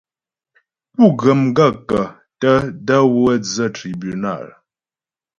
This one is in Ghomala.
Pú ghə́ gaə̂kə́ tə də̀ wə́ dzə́ tribúnal ?